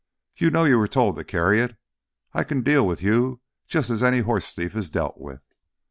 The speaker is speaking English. You know you were told to carry it. I can deal with you just as any horse thief is dealt with.